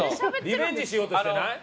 リベンジしようとしてない？